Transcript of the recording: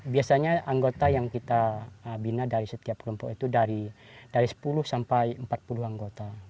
biasanya anggota yang kita bina dari setiap kelompok itu dari sepuluh sampai empat puluh anggota